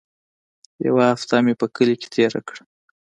يوه هفته مې په کلي کښې تېره کړه.